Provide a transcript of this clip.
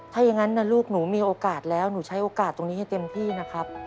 ถ้าอย่างนั้นนะลูกหนูมีโอกาสแล้วหนูใช้โอกาสตรงนี้ให้เต็มที่นะครับ